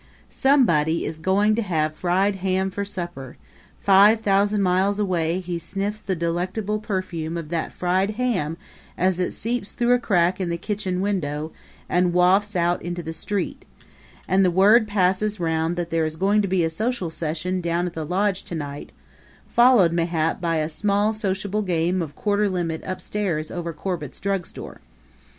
Somebody is going to have fried ham for supper five thousand miles away he sniffs the delectable perfume of that fried ham as it seeps through a crack in the kitchen window and wafts out into the street and the word passes round that there is going to be a social session down at the lodge to night, followed, mayhap, by a small sociable game of quarter limit upstairs over Corbett's drug store.